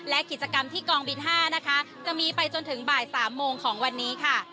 และกิจกรรมที่กองบิน๕นะคะจะมีไปจนถึงบ่าย๓โมงของวันนี้ค่ะ